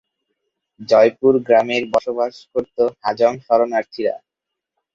জয়পুর গ্রামের বসবাস করত হাজং শরণার্থীরা।